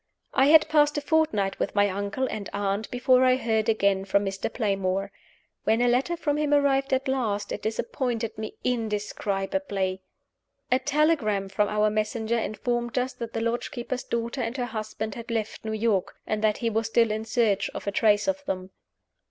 I had passed a fortnight with my uncle and aunt before I heard again from Mr. Playmore. When a letter from him arrived at last, it disappointed me indescribably. A telegram from our messenger informed us that the lodge keeper's daughter and her husband had left New York, and that he was still in search of a trace of them.